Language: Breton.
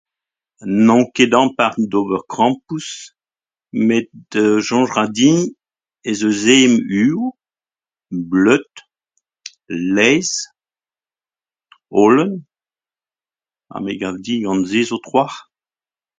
N'on ket ampart d'ober krampouezh met soñj 'ra din ez eus ezhomm uioù, bleud, laezh, holen ha me gav din gant se zo trawalc'h.